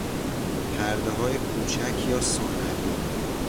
پرده های کوچک یا ثانوی